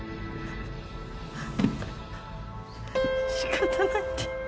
仕方ないって。